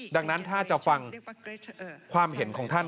ดังนั้นถ้าจะฟังความเห็นของท่าน